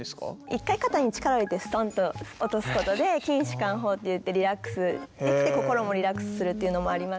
一回肩に力を入れてストンと落とすことで筋しかん法っていってリラックスできて心もリラックスするっていうのもあります。